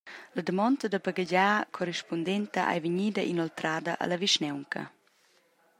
La damonda da baghegiar corrispundenta ei vegnida inoltrada alla vischnaunca.